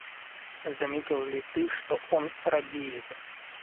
Заметил ли ты, что он робеет?